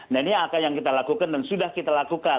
nah ini akan yang kita lakukan dan sudah kita lakukan